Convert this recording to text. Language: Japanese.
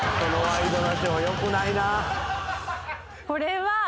これは。